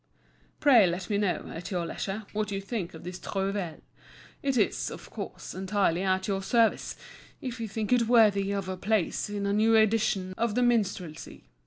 Pray let me know, at your leisure, what you think of this trouvaille. It is, of course, entirely at your service, if you think it worthy of a place in a new edition of the "Minstrelsy."